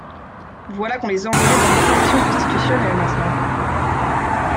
Voilà qu'on les enrôlait dans l'Opposition Constitutionnelle, maintenant!